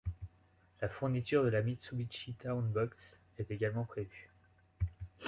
La fourniture de la Mitsubishi Town Box est également prévue.